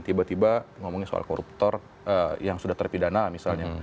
tiba tiba ngomongin soal koruptor yang sudah terpidana misalnya